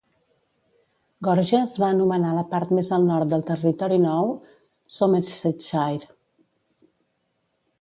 Gorges va anomenar la part més al nord del territori Nou Somersetshire.